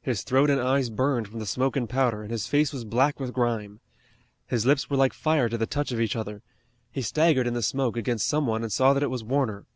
His throat and eyes burned from the smoke and powder, and his face was black with grime. His lips were like fire to the touch of each other. He staggered in the smoke against some one and saw that it was Warner.